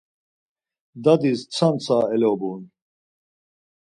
Dadis tsantsa elobun.